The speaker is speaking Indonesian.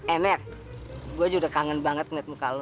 eh mer gue juga udah kangen banget ngeliat muka lo